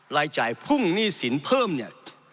รายจ่ายพุ่งหนี้สินเพิ่มเนี่ย